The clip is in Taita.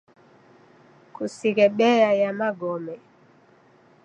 Kusighe beya ya magome